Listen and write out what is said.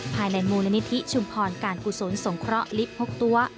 ภายในมูลนิธิชุมพรการกุศลสงเคราะห์ลิฟต์๖ตัว